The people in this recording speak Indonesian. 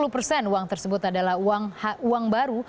lima puluh persen uang tersebut adalah uang baru